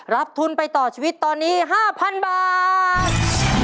รับทุนไปต่อชีวิตตอนนี้๕๐๐๐บาท